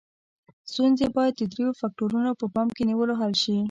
ستونزې باید د دریو فکتورونو په پام کې نیولو حل شي.